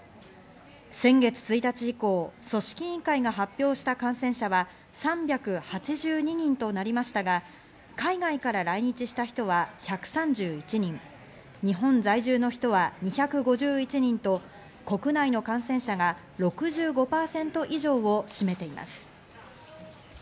先月１日以降、組織委員会が発表した感染者は３８２人となりましたが、海外から来日した人は１３１人、日本在住の人は２５１人と国内の感染者が６５％以上を占めています。